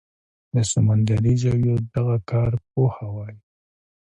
د سمندري ژویو دغه کارپوهه وايي